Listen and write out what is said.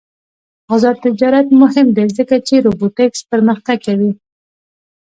آزاد تجارت مهم دی ځکه چې روبوټکس پرمختګ کوي.